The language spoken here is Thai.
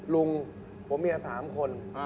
ลุงผัวเมีย๓คน